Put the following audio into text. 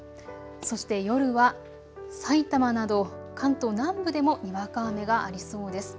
そして夜は埼玉など関東南部でもにわか雨がありそうです。